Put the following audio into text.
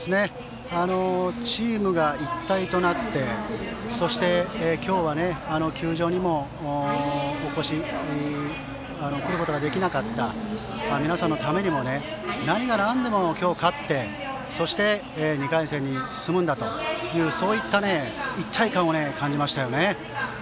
チームが一体となってそして、今日は球場にも来ることができなかった皆さんのためにも何がなんでも今日は勝ってそして、２回戦に進むんだというそういった一体感を感じましたね。